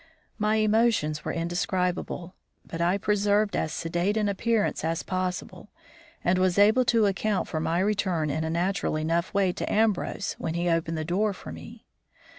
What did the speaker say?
My emotions were indescribable, but I preserved as sedate an appearance as possible, and was able to account for my return in a natural enough way to Ambrose when he opened the door for me.